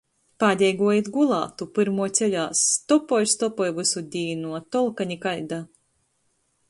Pādeiguo īt gulātu, pyrmuo ceļās. Stopoj i stopoj vysu dīnu, a tolka nikaida.